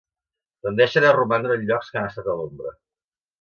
Tendeixen a romandre en llocs que han estat a l'ombra.